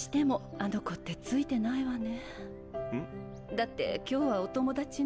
だって今日はお友達の。